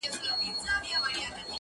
کلي نوې څېره خپلوي ورو،